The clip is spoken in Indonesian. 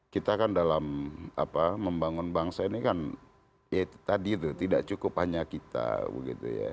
kita kan dalam membangun bangsa ini kan ya tadi itu tidak cukup hanya kita begitu ya